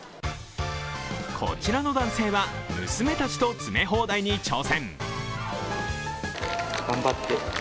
こちらの男性は、娘たちと詰め放題に挑戦。